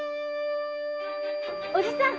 おじさん